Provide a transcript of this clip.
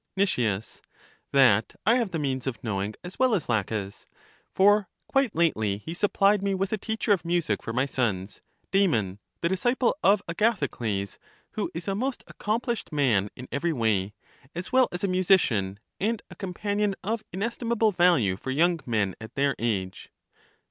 Nic, That I have the means of knowing as well as Laches ; for quite lately he supplied me with a teacher of music for my sons, — Damon, the disciple of Agathocles, who is a most accomplished man in every way, as well as a musician, and a companion of ines timable value for young men at their age.